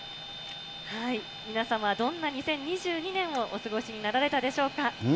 皆様はどんな２０２２年をお過ごしになられたでしょうか。